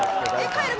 帰る？